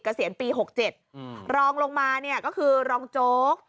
เกษียณปีหกเจ็ดอืมรองลงมาเนี่ยก็คือรองโจ๊ก